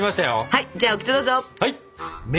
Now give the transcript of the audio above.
はい！